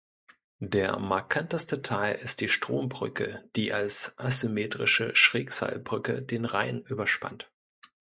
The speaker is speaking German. Der markanteste Teil ist die Strombrücke, die als asymmetrische Schrägseilbrücke den Rhein überspannt.